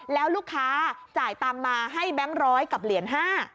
แล้วลูกค้าจ่ายตังค์มาให้แบงค์ร้อยกับเหรียญ๕